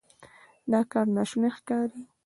دا کار ناشونی ښکاري.